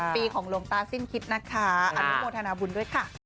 ปีของหลวงตาสิ้นคิดนะคะอนุโมทนาบุญด้วยค่ะ